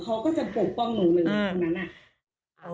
เค้าก็จะปกป้องหนูนะ